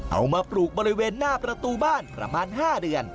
เอามาปลูกบริเวณหน้าประตูบ้านประมาณ๕เดือน